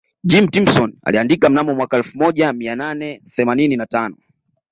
Jim Thompson aliandika mnamo mwaka elfu moja mia nane themanini na tano